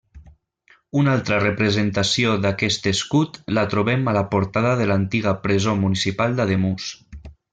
Una altra representació d'aquest escut la trobem a la portada de l'antiga Presó Municipal d'Ademús.